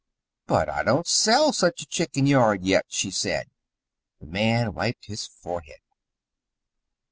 "But I don't sell such a chicken yard, yet," she said. The man wiped his forehead.